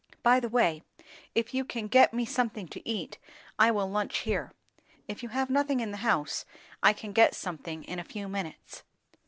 By the way, if you can give me something to eat, I will lunch here. If you have nothing in the house, I can get something in a few minutes."